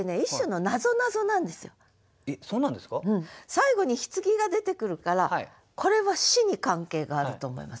最後に「柩」が出てくるからこれは「死」に関係があると思いません？